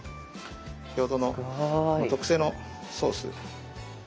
先ほどの特製のソース。